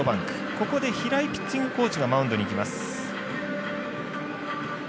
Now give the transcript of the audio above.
ここで平井ピッチングコーチがマウンドに行きます。